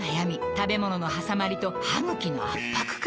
食べ物のはさまりと歯ぐきの圧迫感